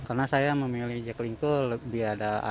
karena saya memilih jaklinggo lebih ada ac nya